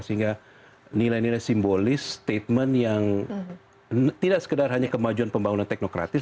sehingga nilai nilai simbolis statement yang tidak sekedar hanya kemajuan pembangunan teknokratis